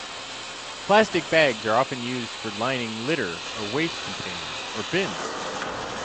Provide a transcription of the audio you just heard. Plastic bags are often used for lining litter or waste containers or bins.